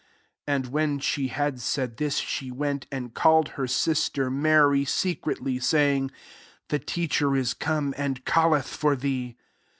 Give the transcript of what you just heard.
28 And when she had said this, she went and called her sister Mary, secretly, saying, *' The teacher is come, and calleth for thee."